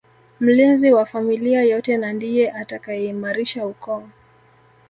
Mlinzi wa familia yote na ndiye atakayeimarisha ukoo